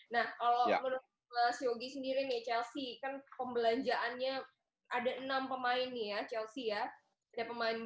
nah kalau menurut mas yogi sendiri nih chelsea kan pembelanjaannya ada enam pemain nih ya chelsea ya